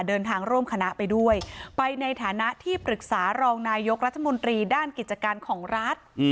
เดินทางร่วมคณะไปด้วยไปในฐานะที่ปรึกษารองนายกรัฐมนตรีด้านกิจการของรัฐ